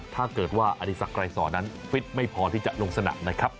ถ้าเกิดว่าอดีศักดรายสอนนั้นฟิตไม่พอที่จะลงสนามนะครับ